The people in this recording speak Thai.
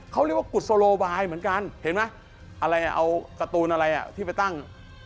เขาเรียกว่ากุศโลบายเหมือนกันเห็นไหมอะไรอ่ะเอาการ์ตูนอะไรอ่ะที่ไปตั้ง